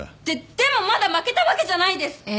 ででもまだ負けたわけじゃないです！